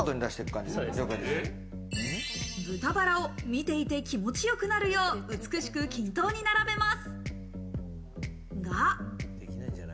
豚バラを見ていて気持ち良くなるよう、美しく均等に並べます。